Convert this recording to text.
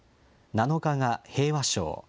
７日が平和賞。